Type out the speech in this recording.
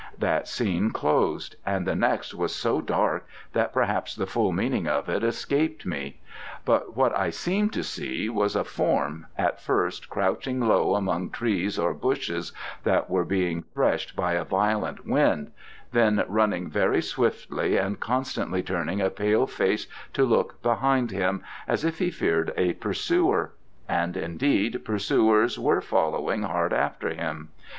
That scene closed, and the next was so dark that perhaps the full meaning of it escaped me. But what I seemed to see was a form, at first crouching low among trees or bushes that were being threshed by a violent wind, then running very swiftly, and constantly turning a pale face to look behind him, as if he feared a pursuer: and, indeed, pursuers were following hard after him.